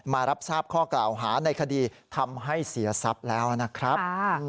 มารับทราบข้อกล่าวหาในคดีทำให้เสียทรัพย์แล้วนะครับ